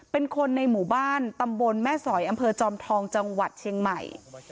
เป็นคนในหมู่บ้านตำบลแม่สอยอำเภอจอมทองจังหวัดเชียงใหม่